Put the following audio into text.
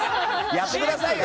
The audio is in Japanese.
やってくださいよ！